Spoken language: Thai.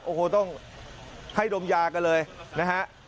โอ้โหต้องให้ดมยากันเลยนะฮะ